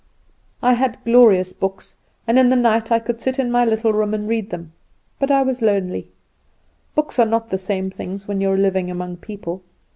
"I had glorious books, and in the night I could sit in my little room and read them; but I was lonely. Books are not the same things when you are living among people.